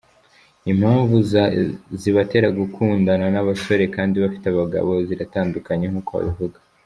Impamvu zibatera gukundana n’abasore kandi bafite abagabo ziratandukanye nk’uko babivuga.